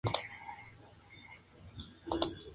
Zatch Bell!